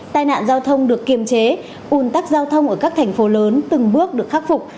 tai nạn giao thông được kiềm chế ủn tắc giao thông ở các thành phố lớn từng bước được khắc phục